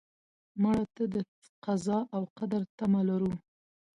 مړه ته د قضا او قدر تمه لرو